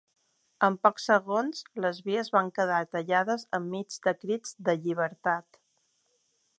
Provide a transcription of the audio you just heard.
En pocs segons, les vies van quedar tallades enmig de crits de ‘llibertat’.